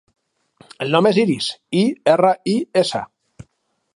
El nom és Iris: i, erra, i, essa.